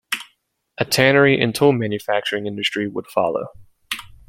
A tannery and tool manufacturing industry would follow.